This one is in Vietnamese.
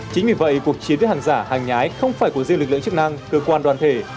chính vì vậy cuộc chiến với hàng giả hàng nhái không phải của riêng lực lượng chức năng cơ quan đoàn thể